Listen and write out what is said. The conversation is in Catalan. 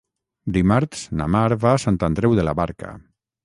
Dimarts na Mar va a Sant Andreu de la Barca.